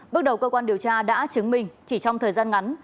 bước đầu cơ quan điều tra đã chứng minh chỉ trong thời gian ngắn